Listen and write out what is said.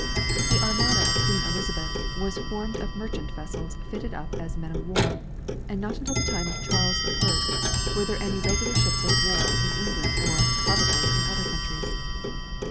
The Armada of Queen Elizabeth was formed of merchant vessels fitted up as men of Avar, and not until the time of Charles the First were there any regular ships of war in England or, probably, in other countries.